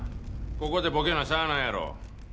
ここでボケなしゃあないやろ。